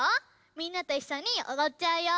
みんなといっしょにおどっちゃうよ。